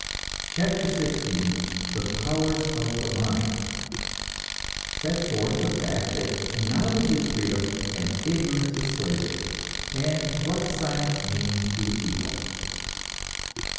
CHAPTER XVI THE POWERS OF THE MIND (Sets forth the fact that knowledge is freedom and ignorance is slavery, and what science means to the people.)